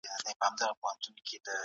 دواړه لوري خپلي غوښتنې پوره کوي.